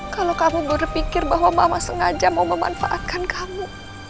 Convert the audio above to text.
kalau kamu berpikir bahwa mama sengaja mau memanfaatkan kamu